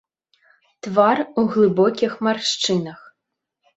Твар у глыбокіх маршчынах.